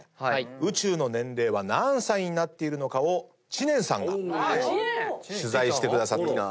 宇宙の年齢は何歳になっているのかを知念さんが取材してくださったと。